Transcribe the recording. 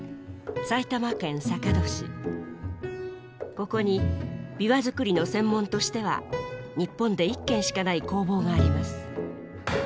ここに琵琶作りの専門としては日本で１軒しかない工房があります。